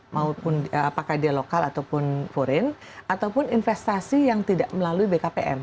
maupun apakah dia lokal ataupun foreign ataupun investasi yang tidak melalui bkpm